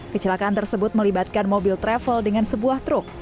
kecelakaan tersebut melibatkan mobil travel dengan sebuah truk